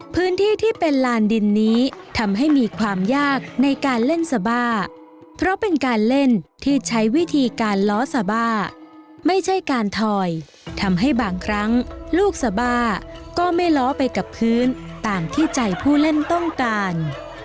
พื้นที่ที่เป็นลานดินนี้ทำให้มีความยากในการเล่นสบาเพราะเป็นการเล่นที่ใช้วิธีการล้อสบ้าไม่ใช่การถอยทำให้บางครั้งลูกสบาก็ไม่ล้อไปกับพื้นตามที่ใจผู้เล่นต้องการ